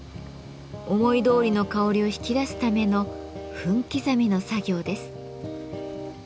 思いどおりの香りを引き出すための分刻みの作業です。